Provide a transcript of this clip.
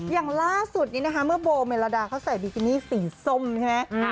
อย่างล่าสุดนี้นะคะเมื่อโบเมลดาเขาใส่บิกินี่สีส้มใช่ไหม